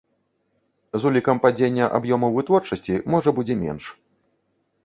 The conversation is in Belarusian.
З улікам падзення аб'ёмаў вытворчасці, можа, будзе менш.